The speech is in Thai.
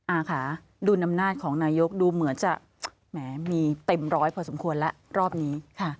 อาค่ะดูอำนาจของนายกดูเหมือนจะแหมมีเต็มร้อยพอสมควรแล้วรอบนี้